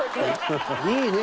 いいね。